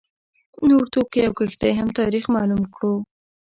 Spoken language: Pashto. نور توکي او کښتۍ هم تاریخ معلوم کړو.